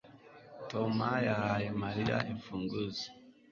Tom yahaye Mariya imfunguzo